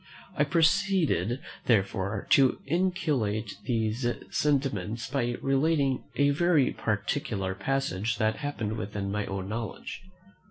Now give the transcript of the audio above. I proceeded, therefore, to inculcate these sentiments by relating a very particular passage that happened within my own knowledge.